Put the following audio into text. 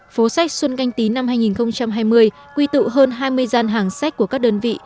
phố sách xuân canh tí năm hai nghìn hai mươi quy tụ hơn hai mươi gian hàng sách của các đơn vị